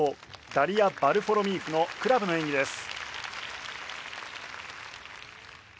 ダリア・ヴァルフォロミーフのクラブの演技です。